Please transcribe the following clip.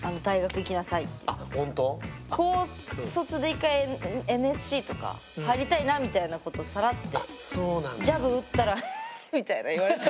１回「ＮＳＣとか入りたいな」みたいなことサラッてジャブ打ったらハハッみたいな言われて。